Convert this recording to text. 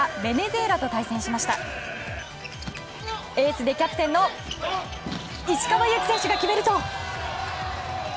エースでキャプテンの石川祐希選手が決めると。